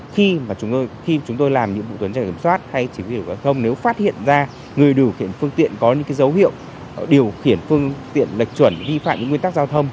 khi mà chúng tôi làm những tổ tuần trai kiểm soát hay chỉ huy điều khiển giao thông nếu phát hiện ra người điều khiển phương tiện có những cái dấu hiệu điều khiển phương tiện lệch chuẩn vi phạm những nguyên tắc giao thông